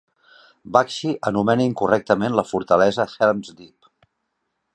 Bakshi anomena incorrectament la fortalesa "Helm's Deep".